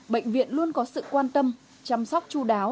bệnh viện luôn có sự quan tâm chăm sóc chú đáo